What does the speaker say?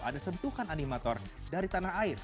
ada sentuhan animator dari tanah air